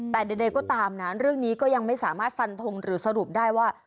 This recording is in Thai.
แต่ใดก็ตามนะเรื่องนี้ก็ยังไม่สามารถฟันทงหรือสรุปได้ว่า